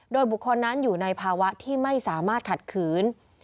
โดยบุคคลนั้นอยู่ในภาวะที่ไม่สามารถขัดขืน